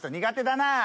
苦手だな。